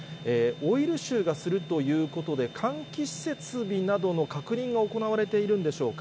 オイル臭がするということで、換気設備などの確認が行われているんでしょうか。